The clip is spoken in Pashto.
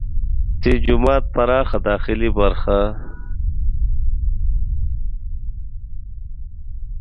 دې جومات پراخه داخلي برخه ده.